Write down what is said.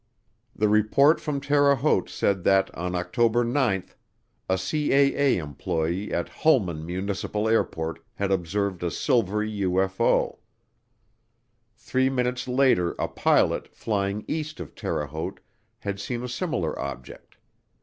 The report from Terre Haute said that on October 9, a CAA employee at Hulman Municipal Airport had observed a silvery UFO. Three minutes later a pilot, flying east of Terre Haute, had seen a similar object.